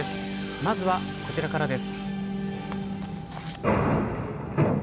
まずは、こちらからです。